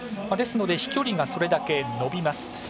ですので飛距離がそれだけ伸びます。